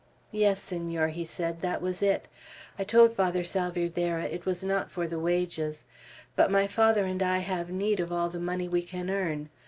"Yes, Senor," he said, "that was it. I told Father Salvierderra it was not for the wages. But my father and I have need of all the money we can earn.